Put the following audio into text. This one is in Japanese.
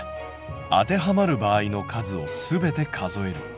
当てはまる場合の数をすべて数える。